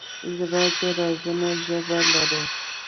زړه د رازونو ژبه لري.